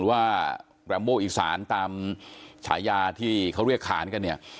ว่าแรมโมอีสานตามฉายาที่เขาเรียกขานกันเนี่ย